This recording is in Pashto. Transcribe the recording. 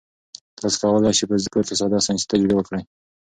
تاسي کولای شئ په کور کې ساده ساینسي تجربې وکړئ.